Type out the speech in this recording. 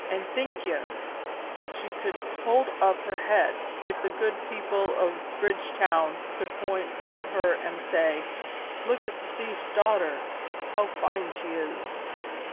An' think ye she could hold up her head if the good people o' Bridgetown could point at her an' say, 'Look at the thief's daughter; how fine she is!'